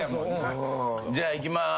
じゃあいきます。